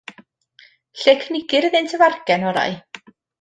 Lle y cynigir iddynt y fargen orau?